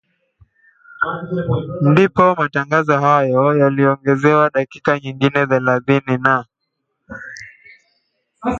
ndipo matangazo hayo yaliongezewa dakika nyingine thelathini na